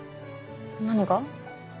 何が？